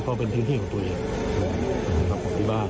เพราะเป็นพื้นที่ของตัวเองที่บ้าน